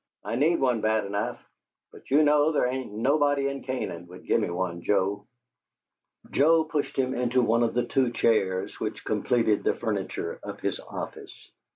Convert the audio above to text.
"I need one bad enough, but you know there ain't nobody in Canaan would gimme one, Joe." Joe pushed him into one of the two chairs which completed the furniture of his office.